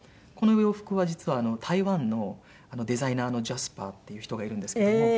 この洋服は実は台湾のデザイナーのジャスパーっていう人がいるんですけども。